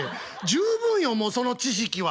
十分よもうその知識は。